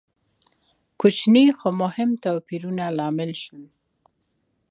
کوچني خو مهم توپیرونه لامل شول.